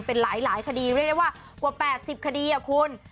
เป็นหลายคดีเรียกได้ว่ากว่า๘๐คดีคุณ